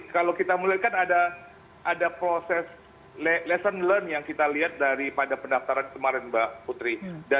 kalau kita melihat kan ada proses lesson learned yang kita lihat daripada pendaftaran kemarin mbak putri